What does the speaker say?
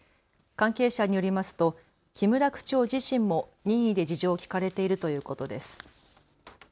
関係者によりますと木村区長自身も任意で事情を聴かれているということです。